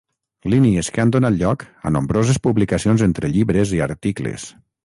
Línies que han donat lloc a nombroses publicacions entre llibres i articles.